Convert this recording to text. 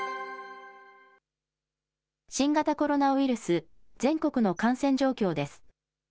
新型コロナウイルス、全国の感染状況です。